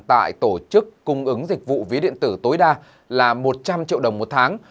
tại tổ chức cung ứng dịch vụ ví điện tử tối đa là một trăm linh triệu đồng một tháng